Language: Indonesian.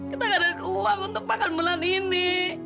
kita gak ada uang untuk makan bulan ini